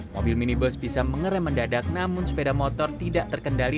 mobil minibus bisa mengeram mendadak namun sepeda motor tidak terkendali